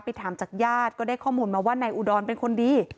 ถามจากญาติก็ได้ข้อมูลมาว่านายอุดรเป็นคนดี